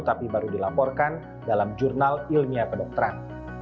tapi baru dilaporkan dalam jurnal ilmiah kedokteran